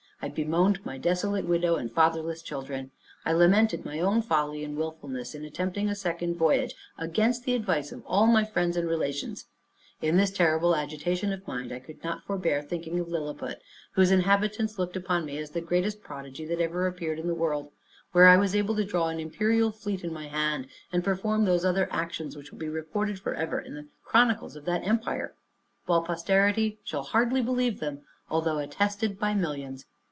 I bemoaned my desolate widow and fatherless children. I lamented my own folly and wilfulness, in attempting a second voyage, against the advice of all my friends and relations. In this terrible agitation of mind, I could not forbear thinking of Lilliput, whose inhabitants looked upon me as the greatest prodigy that ever appeared in the world; where I was able to draw an imperial fleet in my hand, and perform those other actions, which will be recorded forever in the chronicles of that empire, while posterity shall hardly believe them, although attested by millions.